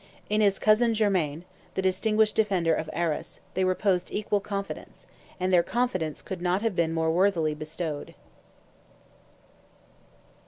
In his cousin germain, the distinguished defender of Arras, they reposed equal confidence, and their confidence could not have been more worthily bestowed.